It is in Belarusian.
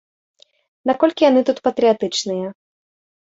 Наколькі яны тут патрыятычныя?